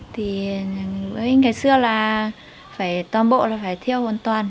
thì ngày xưa là toàn bộ là phải thiêu hoàn toàn